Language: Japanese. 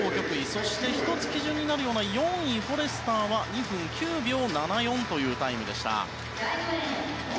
そして１つ基準になるような４位、フォレスターは２分９秒７４というタイムでした。